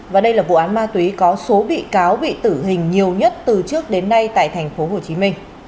và đây là vụ án ma túy có số bị cáo bị tử hình nhiều nhất từ trước đến nay tại tp hcm